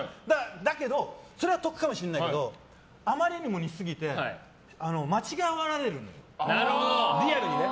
だけどそれは得かもしれないけどあまりにも似すぎて間違われるのよ。